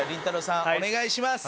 さんお願いします！